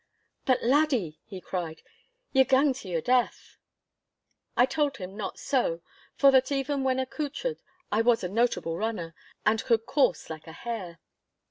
'But, laddie,' he cried, 'ye gang to your death!' I told him not so, for that even when accoutred I was a notable runner, and could course like a hare.